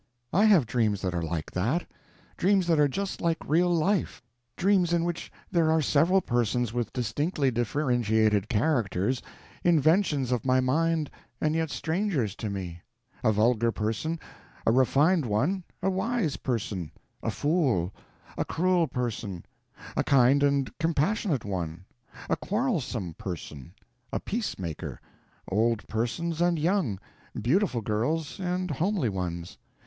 I have dreams that are like that. Dreams that are just like real life; dreams in which there are several persons with distinctly differentiated characters—inventions of my mind and yet strangers to me: a vulgar person; a refined one; a wise person; a fool; a cruel person; a kind and compassionate one; a quarrelsome person; a peacemaker; old persons and young; beautiful girls and homely ones.